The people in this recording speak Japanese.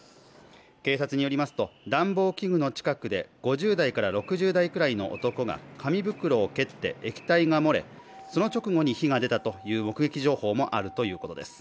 警察によりますと暖房器具の近くで５０代から６０代くらいの男が紙袋を蹴って液体が漏れ、その直後に火が出たという目撃情報もあるということです。